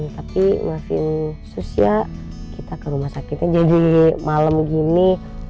tapi maafin sus ya kita ke rumah sakitnya jadi malam gini